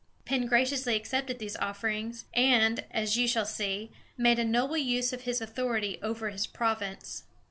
Penn graciously accepted these offerings, and, as you shall see, made a noble use of his authority over his province.